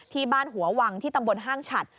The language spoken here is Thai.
ที่บ้านหัววังที่ตำบลห้างฉัด